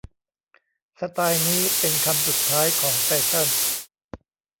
สไตล์นี้เป็นคำสุดท้ายของแฟชั่น